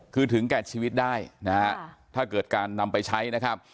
คือถึงแก่ชีวิตได้นะฮะถ้าเกิดการนำไปใช้นะครับ